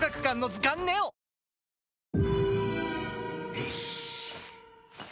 よし。